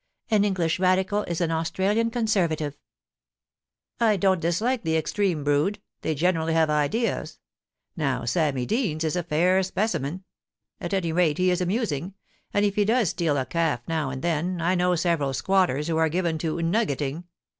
An English Radical is an Australian Conservative.' * I don't dislike the extreme brood ; they generally have ideas. Now, Sammy Deans is a fair specimen. At any rate he is amusing ; and if he does steal a calf now and then, I know several squatters who are given to "nuggeting."